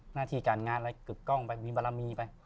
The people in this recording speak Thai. หน้าที่การงานอะไรกึกกล้องไปมีบารมีไป